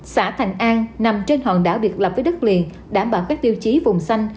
xã thành an nằm trên hòn đảo biệt lập với đất liền đảm bảo các tiêu chí vùng xanh